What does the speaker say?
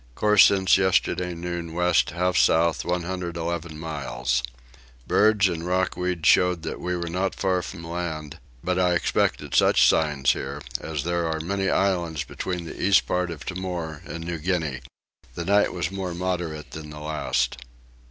Course since yesterday noon west half south 111 miles. Birds and rock weed showed that we were not far from land, but I expected such signs here as there are many islands between the east part of Timor and New Guinea. The night was more moderate than the last.